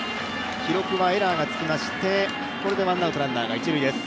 記録はエラーがつきまして、ワンアウト、ランナー、一塁です。